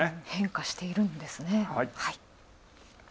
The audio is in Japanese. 変化しているんですね。